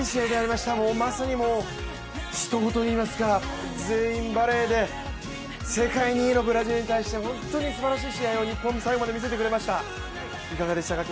まさに死闘といいますか、全員バレーで世界２位のブラジルに対して本当にすばらしい試合を日本最後まで見せてくれました。